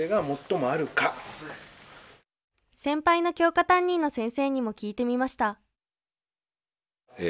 先輩の教科担任の先生にも聞いてみましたえ